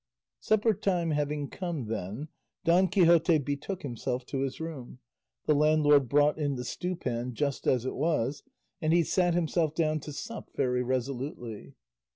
Supper time having come, then, Don Quixote betook himself to his room, the landlord brought in the stew pan just as it was, and he sat himself down to sup very resolutely.